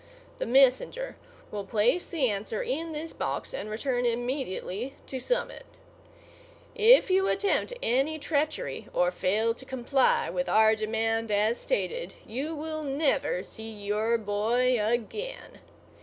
The messenger will place the answer in this box and return immediately to Summit. If you attempt any treachery or fail to comply with our demand as stated, you will never see your boy again.